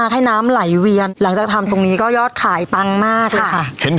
ให้น้ำไหลเวียนหลังจากทำตรงนี้ก็ยอดขายปังมากเลยค่ะ